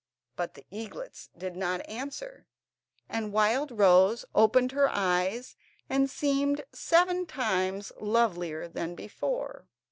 But the eaglets did not answer, and Wildrose opened her eyes, and seemed seven times lovelier than before.